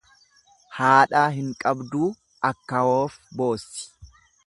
Haadhaa hin qabduu akkawoof boossi.